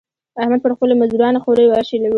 احمد پر خپلو مزدورانو خورۍ واېشولې.